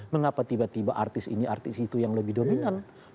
mengapa tiba tiba artis ini artis itu yang lebih dominan